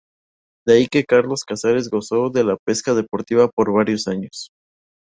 De ahí que Carlos Casares gozó de la pesca deportiva por varios años.